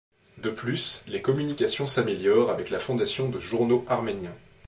De plus, les communications s'améliorent avec la fondation de journaux arméniens.